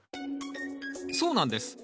そうなんです。